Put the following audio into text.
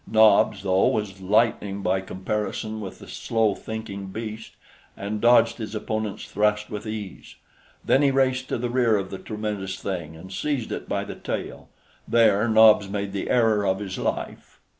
Nobs, though, was lightning by comparison with the slow thinking beast and dodged his opponent's thrust with ease. Then he raced to the rear of the tremendous thing and seized it by the tail. There Nobs made the error of his life.